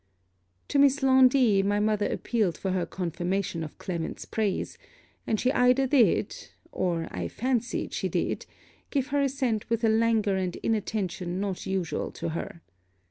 To Miss Laundy my mother appealed for her confirmation of Clement's praise; and she either did, or I fancied she did, give her assent with a languor and inattention not usual to her.